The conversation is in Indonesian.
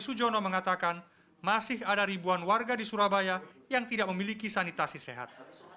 sujono mengatakan masih ada ribuan warga di surabaya yang tidak memiliki sanitasi sehat